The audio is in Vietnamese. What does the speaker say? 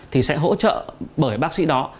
thì sẽ hỗ trợ bởi bác sĩ đó